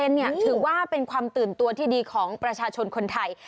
ถือว่าเป็นความตื่นตัวที่ดีของประชาชนคนไทย